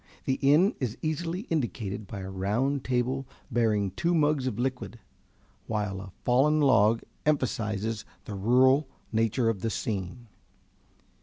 The inn is easily indicated by a round table bearing two mugs of liquid, while a fallen log emphasises the rural nature of the scene.